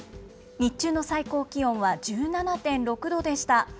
日中の最高気温は１７．６度でした。